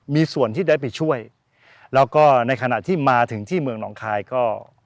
มีส่วนที่ได้ไปช่วยแล้วก็ในขณะที่มาถึงที่เมืองหนองคายก็